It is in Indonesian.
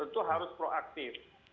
tentu harus proaktif